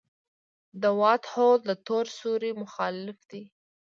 د وائټ هول د تور سوري مخالف دی.